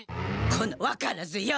このわからず屋！